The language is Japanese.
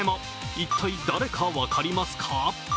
一体、誰か分かりますか？